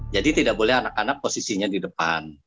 jadi tidak boleh anak anak posisinya di depan